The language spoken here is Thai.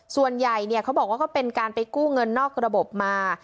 ส่วนใหญ่เขาบอกว่าก็เป็นการไปกู้เงินนอกระบบมา